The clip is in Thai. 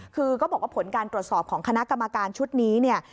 คือก็บอกว่าผลการตรวจสอบของคณะกรรมการชุดนี้เนี่ย